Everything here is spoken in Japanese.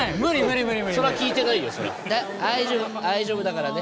大丈夫大丈夫だからね。